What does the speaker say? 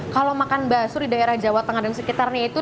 kalau makan bakso di daerah jawa tengah dan sekitarnya itu